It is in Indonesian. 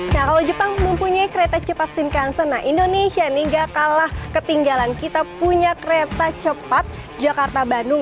nah kalau jepang mempunyai kereta cepat scenekanson nah indonesia nih gak kalah ketinggalan kita punya kereta cepat jakarta bandung